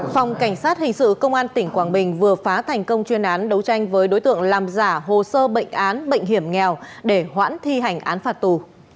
phòng cảnh sát hình sự công an tỉnh quảng bình vừa phá thành công chuyên án đấu tranh với đối tượng làm giả hồ sơ bệnh án bệnh hiểm nghèo để hoãn thi hành án phạt tù